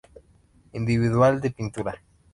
Individual de pintura.